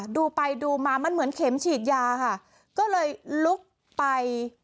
ดูไปดูมามันเหมือนเข็มฉีดยาค่ะก็เลยลุกไป